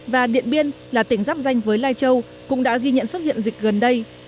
và điện biên là tỉnh giáp danh với lai châu cũng đã ghi nhận xuất hiện dịch gần đây